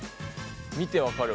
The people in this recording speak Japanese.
見て分かるわ。